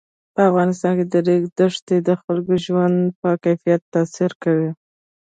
په افغانستان کې د ریګ دښتې د خلکو د ژوند په کیفیت تاثیر کوي.